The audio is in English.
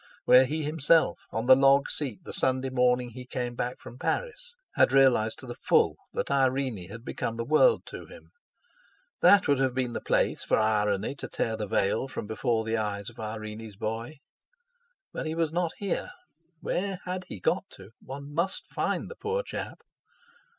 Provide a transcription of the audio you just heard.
Where he himself, on the log seat the Sunday morning he came back from Paris, had realised to the full that Irene had become the world to him. That would have been the place for Irony to tear the veil from before the eyes of Irene's boy! But he was not here! Where had he got to? One must find the poor chap!